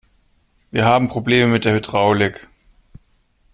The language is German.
Wir haben Probleme mit der Hydraulik.